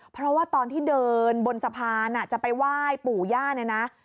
เพราะว่าตอนที่เดินบนสะพานจะไปไหว้ปู่ย่าเนี่ยนะ